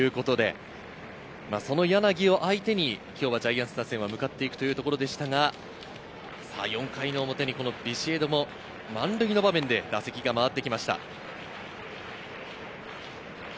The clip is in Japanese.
その柳を相手に今日はジャイアンツ打線は向かっていくところでしたが、４回表にビシエドも満塁の場面で打席が回ってきました。